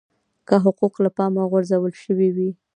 که حقوق له پامه غورځول شوي وي.